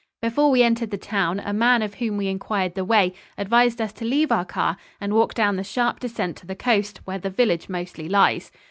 Before we entered the town a man of whom we inquired the way advised us to leave our car and walk down the sharp descent to the coast, where the village mostly lies.